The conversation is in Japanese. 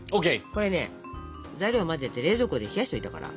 これね材料を混ぜて冷蔵庫で冷やしといたから。